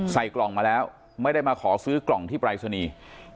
ใส่กล่องมาแล้วไม่ได้มาขอซื้อกล่องที่ปรายศนีย์